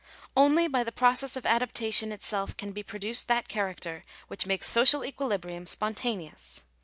Only by the process of adaptation itself can be produced that character which makes social equilibrium spontaneous.